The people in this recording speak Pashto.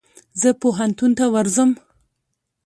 زه پوهنتون ته ورځم.